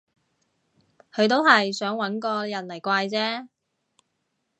佢都係想搵個人嚟怪啫